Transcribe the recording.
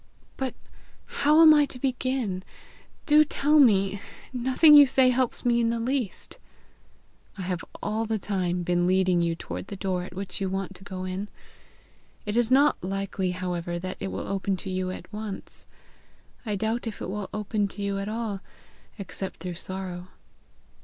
"But how am I to begin? Do tell me. Nothing you say helps me in the least." "I have all the time been leading you toward the door at which you want to go in. It is not likely, however, that it will open to you at once. I doubt if it will open to you at all except through sorrow."